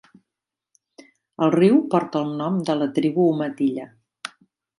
El riu porta el nom de la tribu Umatilla.